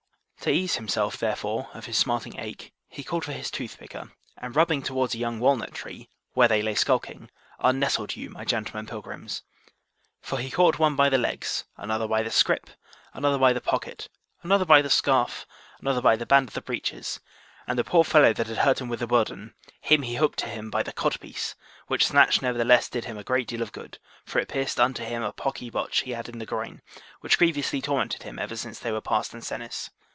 To ease himself therefore of his smarting ache, he called for his toothpicker, and rubbing towards a young walnut tree, where they lay skulking, unnestled you my gentlemen pilgrims. For he caught one by the legs, another by the scrip, another by the pocket, another by the scarf, another by the band of the breeches, and the poor fellow that had hurt him with the bourdon, him he hooked to him by the codpiece, which snatch nevertheless did him a great deal of good, for it pierced unto him a pocky botch he had in the groin, which grievously tormented him ever since they were past Ancenis.